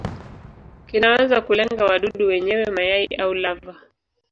Kinaweza kulenga wadudu wenyewe, mayai au lava.